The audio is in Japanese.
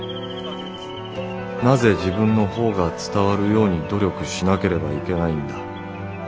なぜ自分の方が伝わるように努力しなければいけないんだ。